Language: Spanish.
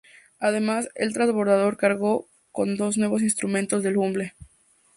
Además, el transbordador cargó con dos nuevos instrumentos del Hubble.